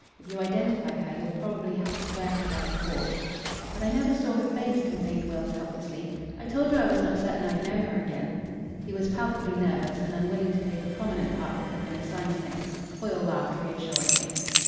If you identify her you'll probably have to swear to her in court." "But I never saw her face," complained Wills helplessly. "I told you I was not certain I'd know her again." He was palpably nervous and unwilling to play the prominent part that had been assigned to him. Foyle laughed reassuringly.